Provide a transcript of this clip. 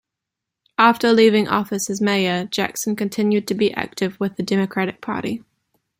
After leaving office as mayor, Jackson continued to be active with the Democratic Party.